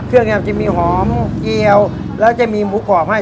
เครื่องนี้มันจะมีหอมเกียวแล้วจะมีหมูกรอบให้